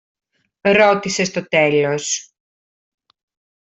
ρώτησε στο τέλος.